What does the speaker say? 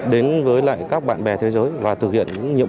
và với lại các chỉ huy ở bên việt nam